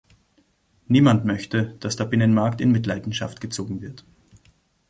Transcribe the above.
Niemand möchte, dass der Binnenmarkt in Mitleidenschaft gezogen wird.